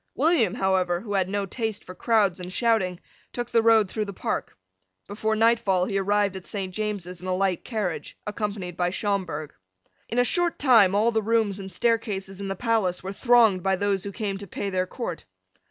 William, however, who had no taste for crowds and shouting, took the road through the Park. Before nightfall he arrived at Saint James's in a light carriage, accompanied by Schomberg. In a short time all the rooms and staircases in the palace were thronged by those who came to pay their court.